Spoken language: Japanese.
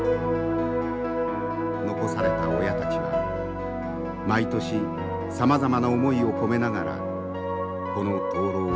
残された親たちは毎年さまざまな思いを込めながらこの灯ろうを流し続けてきたのです。